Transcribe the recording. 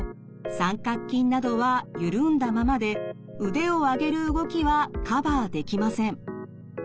三角筋などは緩んだままで腕を上げる動きはカバーできません。